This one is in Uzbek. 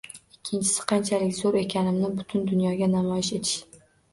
Ikkinchisi – qanchalik zoʻr ekanimni butun dunyoga namoyish etish.